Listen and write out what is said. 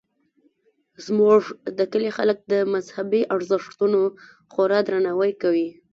زموږ د کلي خلک د مذهبي ارزښتونو خورا درناوی کوي